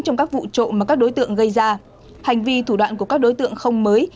trong các vụ trộm mà các đối tượng gây ra hành vi thủ đoạn của các đối tượng không mới